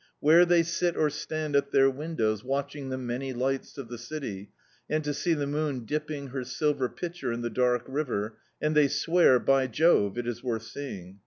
Where they sit or stand at their windows watdiing the many lights of the city, and to see the moon dipping her silver ptcher in the dark river, and they swear, by Jove! it is worth seeing.